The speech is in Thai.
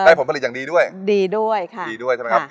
ผลผลิตอย่างดีด้วยดีด้วยค่ะดีด้วยใช่ไหมครับ